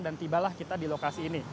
dan tibalah kita di lokasi ini